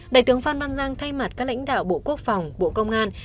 đại tướng phan văn giang thay mặt các lãnh đạo bộ quốc phòng bộ công an